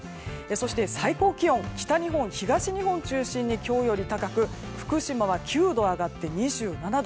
そして最高気温北日本、東日本中心に今日より高く福島は９度上がって２７度。